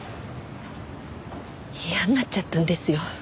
嫌になっちゃったんですよ。